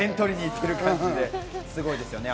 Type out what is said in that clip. すごいですよね。